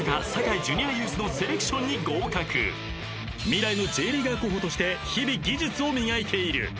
［未来のＪリーガー候補として日々技術を磨いている］